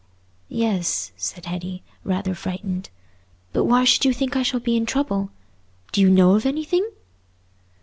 "Yes," said Hetty, rather frightened. "But why should you think I shall be in trouble? Do you know of anything?"